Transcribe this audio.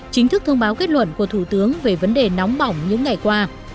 chính thức thông báo kết luận của thủ tướng về vấn đề nóng bỏng những ngày qua